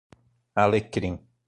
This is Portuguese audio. Alecrim